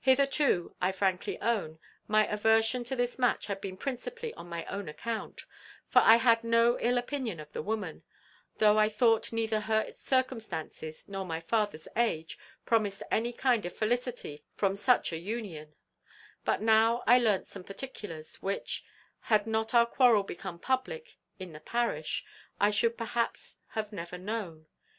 "Hitherto, I frankly own, my aversion to this match had been principally on my own account; for I had no ill opinion of the woman, though I thought neither her circumstances nor my father's age promised any kind of felicity from such an union; but now I learnt some particulars, which, had not our quarrel become public in the parish, I should perhaps have never known.